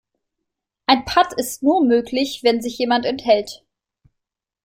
Ein Patt ist nur möglich, wenn sich jemand enthält.